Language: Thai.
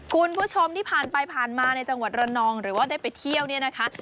คุณผู้ชมที่ผ่านไปผ่านมาในจังหวัดระนองหรือว่าได้ไปเที่ยวเนี่ยนะคะ